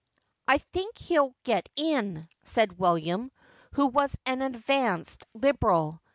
'I think he'll get in,' said William, who was an advanced Liberal.